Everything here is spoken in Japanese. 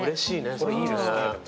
これいいですね。